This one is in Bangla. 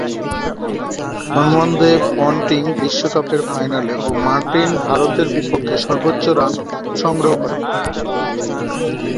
তন্মধ্যে পন্টিং বিশ্বকাপের ফাইনালে ও মার্টিন ভারতের বিপক্ষে সর্বোচ্চ রান সংগ্রহ করেন।